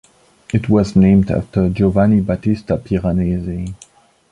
It was named after Giovanni Battista Piranesi.